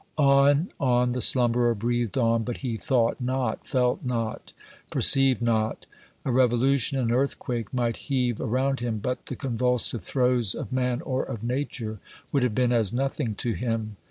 On on the slumberer breathed on, but he thought not, felt not, perceived not. A revolution, an earthquake might heave around him, but the convulsive throes of man or of nature would have been as nothing to him.